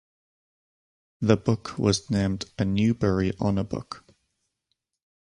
The book was named a Newbery Honor book.